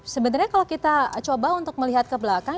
sebenarnya kalau kita coba untuk melihat ke belakang